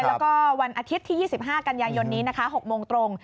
แล้วก็วันอาทิตย์ที่๒๕กันยายนนี้นะคะ๖โมงตรง